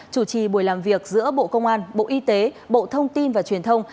chủ trì buổi làm việc giữa bộ công an bộ y tế bộ thông tin và truyền thông